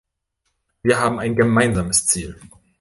Wir haben ein gemeinsames Ziel.